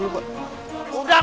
udah pak udah pak